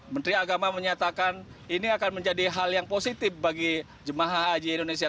menteri agama menyatakan ini akan menjadi hal yang positif bagi jemaah haji indonesia